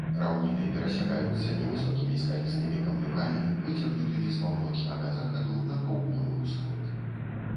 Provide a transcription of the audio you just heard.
Раўніны перасякаюцца невысокімі скалістымі камлюкамі, выцягнутымі з паўночнага захаду на паўднёвы ўсход.